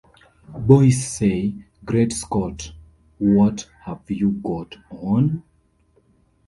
Boys say, "Great Scott, what have you got on?"